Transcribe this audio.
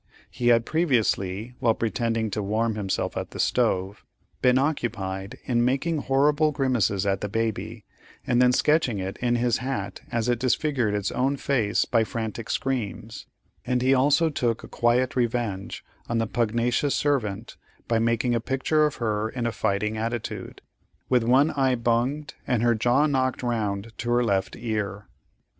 He had previously, while pretending to warm himself at the stove, been occupied in making horrible grimaces at the baby, and then sketching it in his hat as it disfigured its own face by frantic screams; and he also took a quiet revenge on the pugnacious servant by making a picture of her in a fighting attitude, with one eye bunged and her jaw knocked round to her left ear.